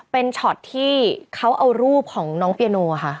เป็นช็อตที่เขาเอารูปของน้องเปียโนค่ะ